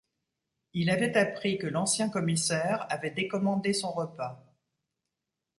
Il avait appris que l’ancien commissaire avait décommandé son repas.